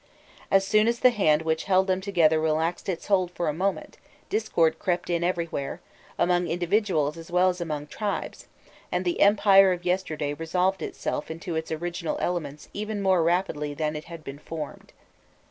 As soon as the hand which held them together relaxed its hold for a moment, discord crept in everywhere, among individuals as well as among the tribes, and the empire of yesterday resolved itself into its original elements even more rapidly than it had been formed.